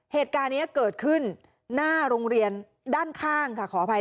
เหตุการณ์นี้เกิดขึ้นหน้าโรงเรียนด้านข้างค่ะขออภัย